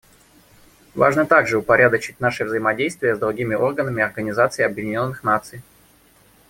Важно также упорядочить наше взаимодействие с другими органами Организации Объединенных Наций.